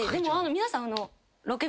皆さん。